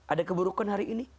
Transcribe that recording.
ada keburukan hari ini